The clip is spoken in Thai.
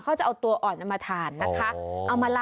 เขาจะเอาตัวอ่อนเอามาทานนะคะ